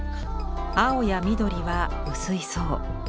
青や緑は薄い層